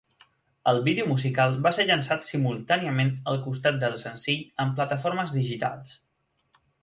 El vídeo musical va ser llançat simultàniament al costat del senzill en plataformes digitals.